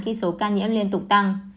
khi số ca nhiễm liên tục tăng